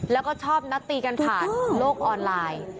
แล้วก็ชอบนัดตีกันผ่านโลกออนไลน์